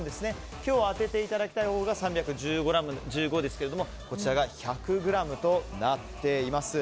今日当てていただきたいほうが３１５ｇですがこちらが１００ｇとなっています。